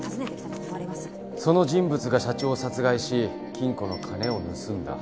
その人物が社長を殺害し金庫の金を盗んだ。